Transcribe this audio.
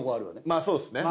まあそうっすね。